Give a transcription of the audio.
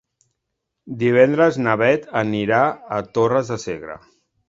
Divendres na Beth anirà a Torres de Segre.